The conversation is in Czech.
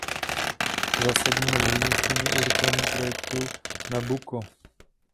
Zásadním rozhodnutím je urychlení projektu Nabucco.